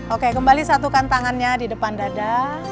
oke kembali satukan tangannya di depan dada